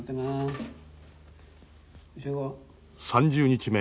３０日目